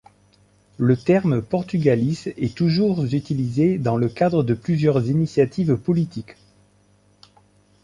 Le terme Portugalice est toujours utilisé dans le cadre de plusieurs initiatives politiques.